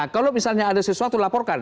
kalau misalnya ada sesuatu laporkan